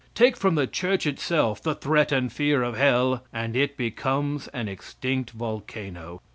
Take from the church itself the threat and fear of hell and it becomes an extinct volcano.